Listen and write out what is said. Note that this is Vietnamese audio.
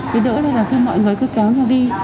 thế đỡ là mọi người cứ kéo nhau đi